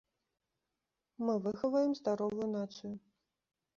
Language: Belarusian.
Мы выхаваем здаровую нацыю.